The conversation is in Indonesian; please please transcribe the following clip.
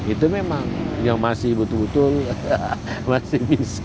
itu memang yang masih betul betul masih bisa